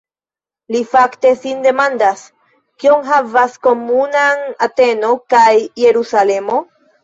Li fakte sin demandas: "Kion havas komunan Ateno kaj Jerusalemo?